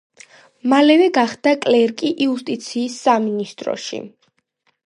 მალევე გახდა კლერკი იუსტიციის სამინისტროში.